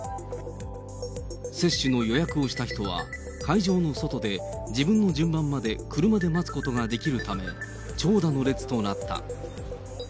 接種の予約をした人は、会場の外で自分の順番まで車で待つことができるため、長蛇の列となった。